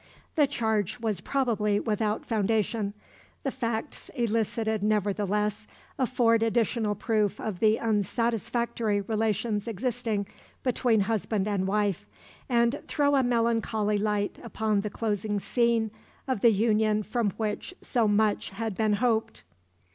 The charge was probably without foundation; the facts elicited nevertheless afford additional proof of the unsatisfactory relations existing between husband and wife, and throw a melancholy light upon the closing scene of the union from which so much had been hoped.